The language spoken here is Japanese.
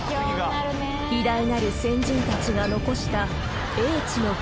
［偉大なる先人たちが残した英知の結晶］